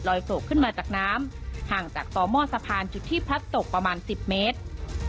โผล่ขึ้นมาจากน้ำห่างจากต่อหม้อสะพานจุดที่พลัดตกประมาณ๑๐เมตร